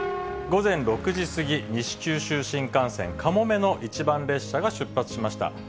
午前６時過ぎ、西九州新幹線かもめの１番列車が出発しました。